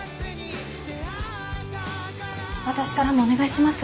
私からもお願いします。